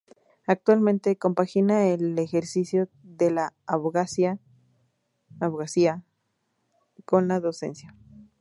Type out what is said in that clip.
Actualmente compagina el ejercicio de la abogacía con la docencia.